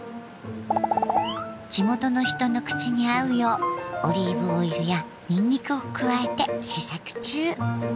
地元の人の口に合うようオリーブオイルやニンニクを加えて試作中。